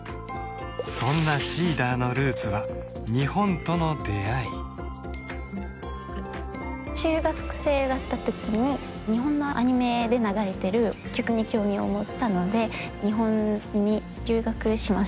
そんなＳｅｅｄｅｒのルーツは日本との出会い中学生だったときに日本のアニメで流れてる曲に興味を持ったので日本に留学しました